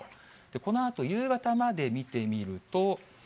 このあと、夕方まで見てみると。